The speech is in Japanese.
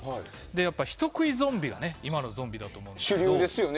やっぱり人食いゾンビが今のゾンビだと思うんですが。